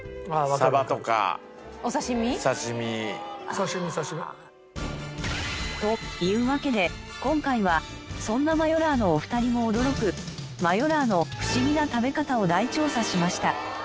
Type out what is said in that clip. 刺身刺身。というわけで今回はそんなマヨラーのお二人も驚くマヨラーのフシギな食べ方を大調査しました。